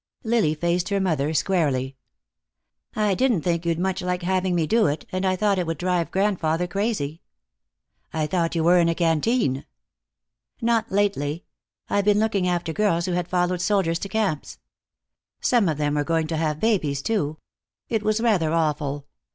Lily faced her mother squarely. "I didn't think you'd much like having me do it, and I thought it would drive grandfather crazy." "I thought you were in a canteen." "Not lately. I've been looking after girls who had followed soldiers to camps. Some of them were going to have babies, too. It was rather awful.